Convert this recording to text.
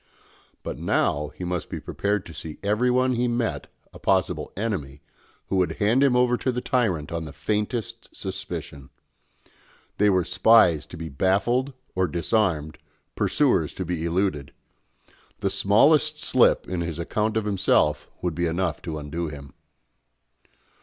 But now he must be prepared to see in everyone he met a possible enemy, who would hand him over to the tyrant on the faintest suspicion. They were spies to be baffled or disarmed, pursuers to be eluded. The smallest slip in his account of himself would be enough to undo him.